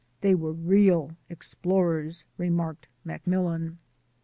"They were real explorers," remarks MacMillan.